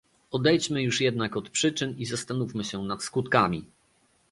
Odejdźmy już jednak od przyczyn i zastanówmy się nad skutkami